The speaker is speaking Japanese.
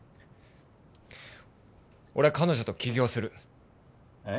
俺は彼女と起業するええ？